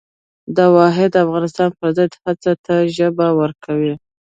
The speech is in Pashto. د واحد افغانستان پر ضد هڅو ته ژبه ورکوي.